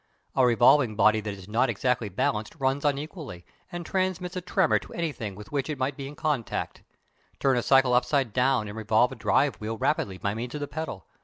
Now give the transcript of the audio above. A revolving body that is not exactly balanced runs unequally, and transmits a tremor to anything with which it may be in contact. Turn a cycle upside down and revolve the driving wheel rapidly by means of the pedal.